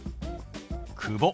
「久保」。